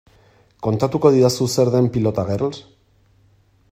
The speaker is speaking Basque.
Kontatuko didazu zer den Pilota Girls?